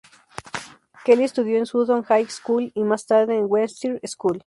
Kelly estudió en Sutton High School y más tarde en Westminster School.